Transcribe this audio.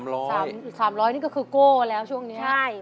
๓๐๐บาทนี่ก็คือโก่แล้วช่วงนี้